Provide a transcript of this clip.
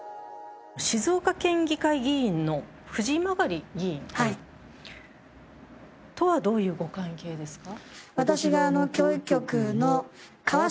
静岡県議会議員の藤曲議員とはどういうご関係ですか。